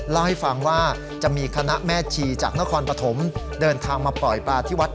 เล่าให้ฟังว่าจะมีคณะแม่ชีจากนครปฐมเดินทางมาปล่อยปลาที่วัด